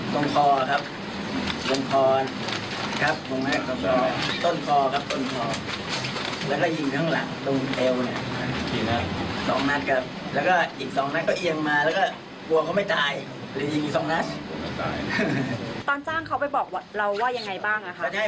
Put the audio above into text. ผมก็อยากได้เงินมาดาวน์แท็กซี่ไปทำงาน